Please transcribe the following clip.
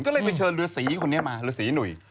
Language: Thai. ก็เลยไปเชิญฤษีคนนี้มาฤษีหนุ่ย